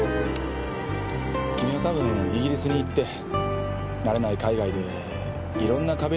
君は多分イギリスに行って慣れない海外でいろんな壁にぶち当たってんだろう。